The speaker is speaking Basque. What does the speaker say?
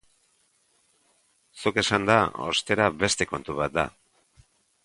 Zuk esanda, ostera, beste kontu bat da.